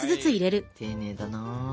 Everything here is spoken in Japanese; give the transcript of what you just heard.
丁寧だな。